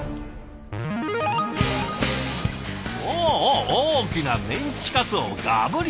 おお大きなメンチカツをガブリ！